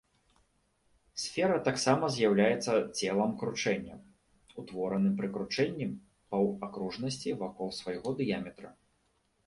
Сфера таксама з'яўляецца целам кручэння, утвораным пры кручэнні паўакружнасці вакол свайго дыяметра.